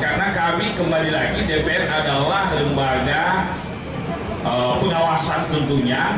karena kami kembali lagi dpr adalah lembaga penawasan tentunya